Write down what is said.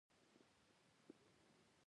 موږ پرون یو اوږد سفر وکړ.